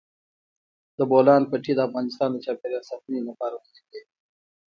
د بولان پټي د افغانستان د چاپیریال ساتنې لپاره مهم دي.